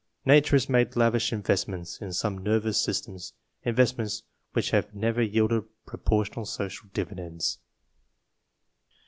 Nature has made lavish investments in some nervous systems, investments which have never yielded proportional social dividends.